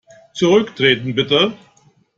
Zurücktreten, bitte!